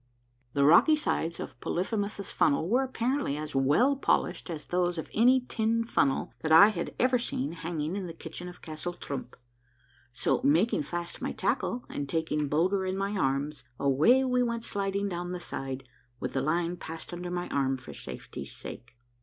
The rocky sides of Polyphemus' Funnel were apparently as well polished as those of any tin funnel that I had ever seen hanging in the kitchen of Castle Trump, so making fast my tackle and taking Bulger in my arms, away we went sliding down the side with the line passed under my arm for safety's sake.